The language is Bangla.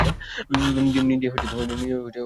নিজে গোসল করে।